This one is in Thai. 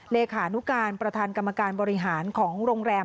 เลขานุการประธานกรรมการบริหารของโรงแรม